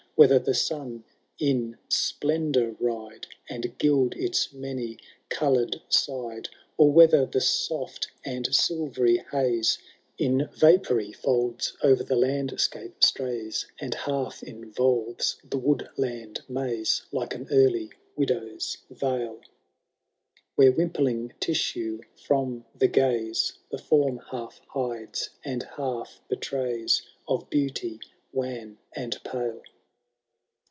Whether the sun in splendour ride, And gild its many colourM side ;* Or whether the soft and silvery haze, In vapoury folds, o*er the landscape stra3rs, And half involves the woodland maxe, Like an early widow^s veil. Where wimpling tissue from the gaze The form half hides, and half betrays. Of beauty wan and pale.